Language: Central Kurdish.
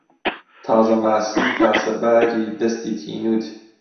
تازەماسیی تاسەباری دەستی تینووت